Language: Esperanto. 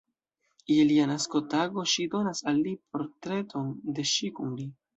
Je lia naskotago ŝi donas al li portreton de ŝi kun li.